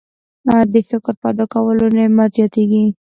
د شکر په ادا کولو نعمت زیاتیږي.